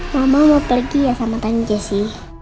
mama mau pergi ya sama tanya jessy